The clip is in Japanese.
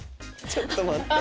ちょっと待って。